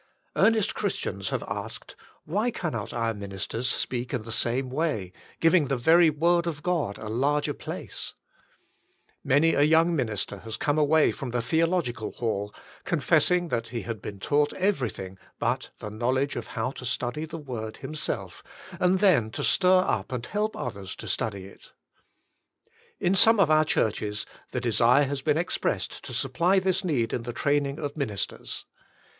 Earnest Christians have asked: "Why cannot our minis ters speak in the same way, giving the very word of God a larger place ?'' Many a young minister has come away from the Theological Hall, confess ing that he had been taught everything but the knowledge of how to study the Word himself, and then to stir up and help others to study it. In some of our Churches, the desire has been ex pressed to supply this need in the training of ministers.